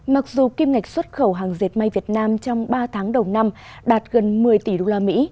mặc dù kim ngạch xuất khẩu hàng dệt may việt nam trong ba tháng đầu năm đạt gần một mươi tỷ usd